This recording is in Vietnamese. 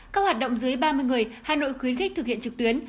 các hoạt động dưới ba mươi người hà nội khuyến khích thực hiện trực tuyến